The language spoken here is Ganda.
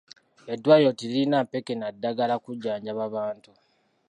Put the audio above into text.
Eddwaliro teririna mpeke na ddagala kujjanjaba bantu.